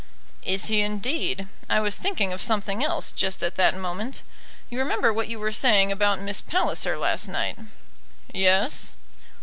"Is he, indeed? I was thinking of something else just at that moment. You remember what you were saying about Miss Palliser last night." "Yes."